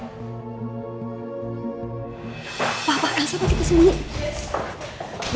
pak pak elsa lagi kesini